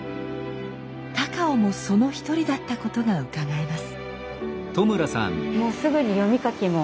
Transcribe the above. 高尾もその一人だったことがうかがえます。